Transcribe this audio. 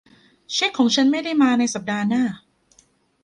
เช็คของฉันไม่ได้มาในสัปดาห์หน้า